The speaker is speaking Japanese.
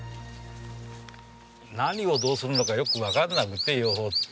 何をどうするのかよくわかんなくて養蜂って。